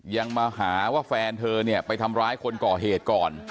ยังมาหาว่าแฟนเธอเนี่ยไปทำร้ายคนก่อเหตุก่อน